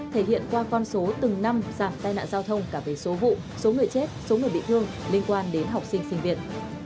thể hiện qua con số từng năm giảm tai nạn giao thông cả về số vụ số người chết số người bị thương liên quan đến học sinh sinh viên